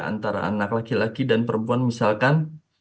antara anak laki laki dan perempuan misalkan